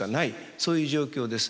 そういう状況です。